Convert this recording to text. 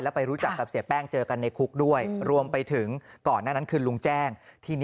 ไปรู้จักกับเสียแป้งเจอกันในคุกด้วยรวมไปถึงก่อนหน้านั้นคือลุงแจ้ง